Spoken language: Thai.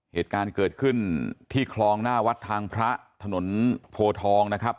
เหตุการณ์เกิดขึ้นที่คลองหน้าวัดทางพระถนนโพทองนะครับ